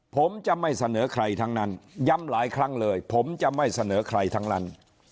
ผมจะไม่เสนอใครทั้งนั้นย้ำหลายครั้งเลยผมจะไม่เสนอใครทั้งนั้น